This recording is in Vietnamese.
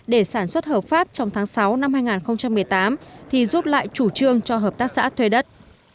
để sản xuất hợp pháp trong tháng sáu năm hai nghìn một mươi tám thì rút lại chủ trương cho hợp tác xã thuê đất